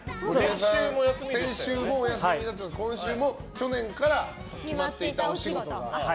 先週もお休みだったんですが今週も、去年から決まっていたお仕事がと。